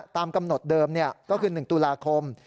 ตามกำหนดเดิมก็คือ๑ตุลาคม